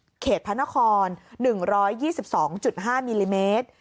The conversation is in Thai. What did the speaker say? ส่วนเขตพันธคร๑๒๒๕มิลลิเมตร